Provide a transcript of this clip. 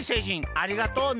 ありがとうね。